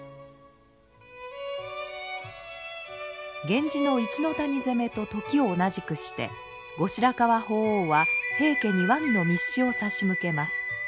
源氏の一ノ谷攻めと時を同じくして後白河法皇は平家に和議の密使を差し向けます。